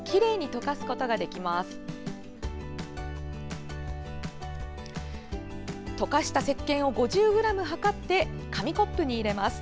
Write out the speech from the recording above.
溶かしたせっけんを５０ｇ量って紙コップに入れます。